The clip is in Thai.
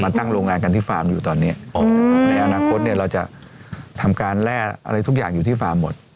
ตั้งโรงงานกันที่ฟาร์มอยู่ตอนนี้ในอนาคตเนี่ยเราจะทำการแร่อะไรทุกอย่างอยู่ที่ฟาร์มหมด